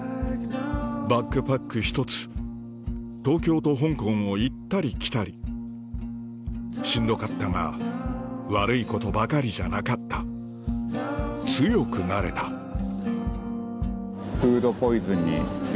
バックパック１つ東京と香港を行ったり来たりしんどかったが悪いことばかりじゃなかった強くなれたうわ！